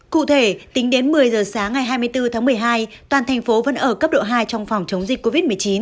cụ thể tính đến một mươi giờ sáng ngày hai mươi bốn tháng một mươi hai toàn thành phố vẫn ở cấp độ hai trong phòng chống dịch covid một mươi chín